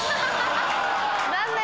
残念！